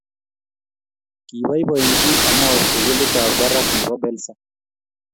Kiboibochin Anao sukulitap barak nebo Belsa